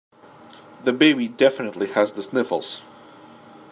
The baby definitely has the sniffles.